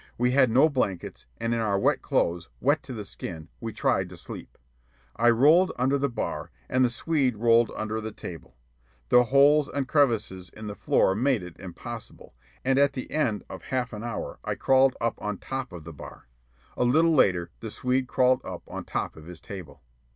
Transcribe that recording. We had no blankets, and in our wet clothes, wet to the skin, we tried to sleep. I rolled under the bar, and the Swede rolled under the table. The holes and crevices in the floor made it impossible, and at the end of half an hour I crawled up on top the bar. A little later the Swede crawled up on top his table.